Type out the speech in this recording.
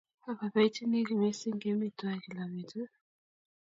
Apoipoenjini missing' kemi twai kila petut